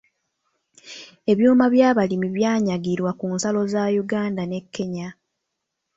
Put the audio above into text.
Ebyuma by’abalimi byanyagirwa ku nsalo za Yuganda ne "Kenya".